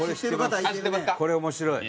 これ面白い。